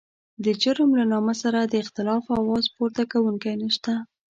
د جرم له نامه سره د اختلاف اواز پورته کوونکی نشته.